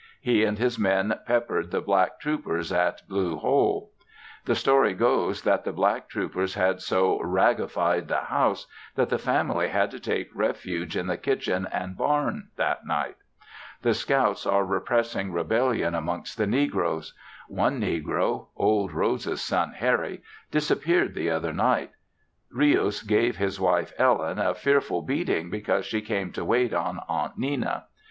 He and his men peppered the black troopers at Blue Hole. The story goes that the black troopers had so "raggified" the house that the family had to take refuge in the kitchen and barn that night. The scouts are repressing rebellion amongst the negroes. One negro (Old Rose's son Harry) disappeared the other night. Rius gave his wife (Ellen) a fearful beating because she came to wait on Aunt Nenna.